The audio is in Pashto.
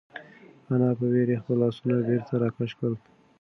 انا په وېره خپل لاسونه بېرته راکش کړل.